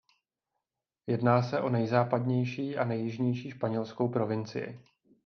Jedná se o nejzápadnější a nejjižnější španělskou provincii.